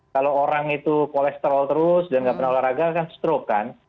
kalau orang itu kolesterol terus dan nggak pernah olahraga kan stroke kan